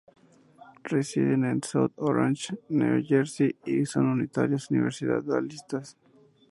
Residen en South Orange, New Jersey, y son unitarios universalistas.